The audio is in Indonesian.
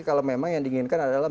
kalau memang yang diinginkan adalah